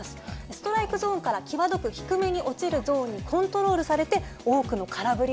ストライクゾーンから際どく低めに落ちるゾーンにコントロールされて多くの空振りを奪った。